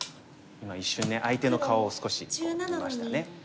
今一瞬相手の顔を少し見ましたね。